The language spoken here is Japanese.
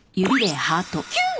キュン！？